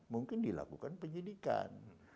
mungkin dilakukan penyidikan